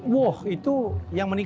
wah itu yang menarik